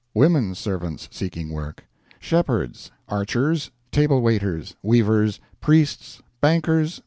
Women servants seeking work. Shepherds. Archers. Table waiters. Weavers. Priests. Bankers.